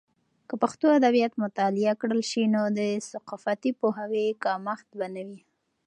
که پښتو ادبیات مطالعه کړل سي، نو د ثقافتي پوهاوي کمښت به نه وي.